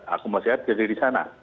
akumulasi air jadi di sana